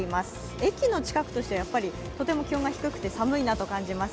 駅の近くとしては、とても気温が低くて寒いなと感じます。